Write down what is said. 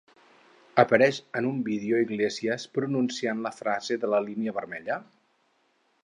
Apareix en un vídeo Iglesias pronunciant la frase de la línia vermella?